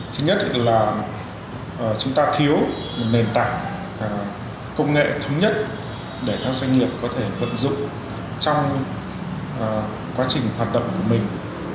thứ nhất là chúng ta thiếu nền tảng công nghệ thống nhất để các doanh nghiệp có thể vận dụng trong quá trình hoạt động của mình